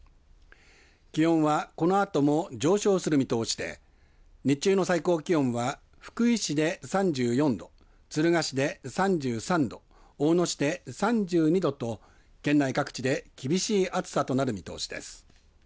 気温はこのあとも上昇する見通しで日中の最高気温は福井市で３４度、敦賀市で３３度、大野市で３２度と県内各地で厳しい暑さとなる見通しです。